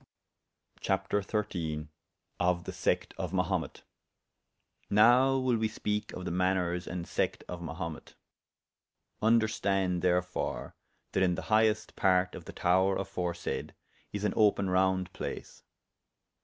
CHAPTER XIII.Of the Secte of Mahumet. Now will we speake of the maners and sect of Mahumet. Vnderstande, therefore, that in the highest part of the tower aforesayde, is an open round place.